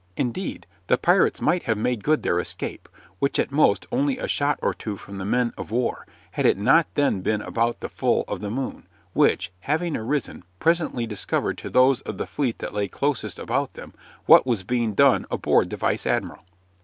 Indeed, the pirates might have made good their escape, with at most only a shot or two from the men of war, had it not then been about the full of the moon, which, having arisen, presently discovered to those of the fleet that lay closest about them what was being done aboard the vice admiral.